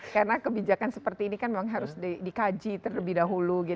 karena kebijakan seperti ini kan memang harus dikaji terlebih dahulu